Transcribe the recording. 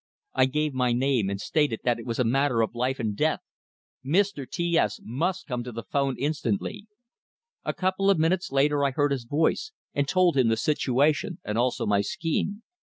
I gave my name, and stated that it was a matter of life and death; Mr. T S must come to the phone instantly. A couple of minutes later I heard his voice, and told him the situation, and also my scheme.